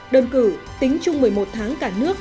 đơn cử tính chung một mươi một tháng cả nước